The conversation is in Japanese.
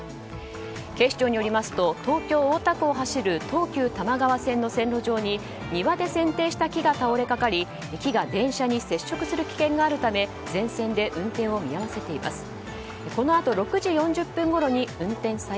警視庁によりますと東京・大田区を走る東急多摩川線の線路上に庭で剪定した木が倒れ掛かり木が電車に接触する危険があるため全線で運転を見合わせています。